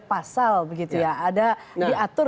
pasal begitu ya ada diatur